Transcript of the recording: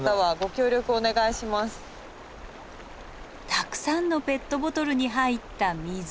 たくさんのペットボトルに入った水。